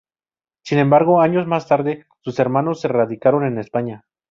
Sin embargo, años más tarde sus hermanos se radicaron en España.